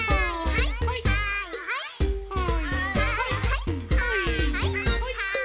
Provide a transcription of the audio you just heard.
はいはいはいはい。